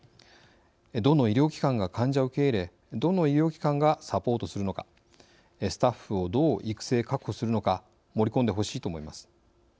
どの医療機関が患者を受け入れどの医療機関がサポートするのかスタッフをどう育成確保するのか盛り込んでほしいと思います。